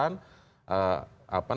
atau ikut pembahasan